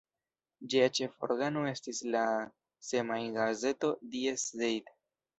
Ĝia ĉefa organo estis la semajngazeto "Die Zeit".